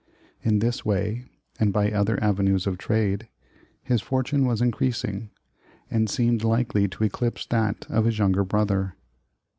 In this way, and by other avenues of trade, hv.i fortune was increasing, and seemed likely to eclipse that of his younger brother.